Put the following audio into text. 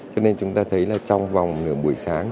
cho nên chúng ta thấy là trong vòng nửa sáng